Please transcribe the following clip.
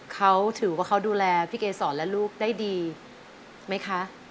เขาถือว่าเขาดูแลพี่เกษรและลูกได้ดีไหมคะ